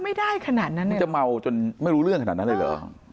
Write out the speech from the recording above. มันจะเมาจนไม่รู้เรื่องขนาดนั้นเลยหรือ